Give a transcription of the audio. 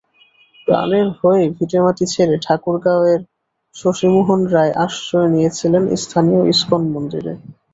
প্রাণের ভয়ে ভিটেমাটি ছেড়ে ঠাকুরগাঁওয়ের শশি মোহন রায় আশ্রয় নিয়েছিলেন স্থানীয় ইসকন মন্দিরে।